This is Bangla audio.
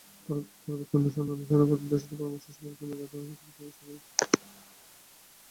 পরবর্তী অন্যান্য সেনাপতিদের সাথে পরামর্শ সাপেক্ষে তিনি মুজাহিদ বাহিনীকে পিছনে সরিয়ে আনেন।